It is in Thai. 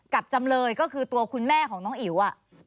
จำเลยก็คือตัวคุณแม่ของน้องอิ๋ว